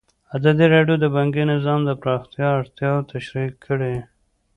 ازادي راډیو د بانکي نظام د پراختیا اړتیاوې تشریح کړي.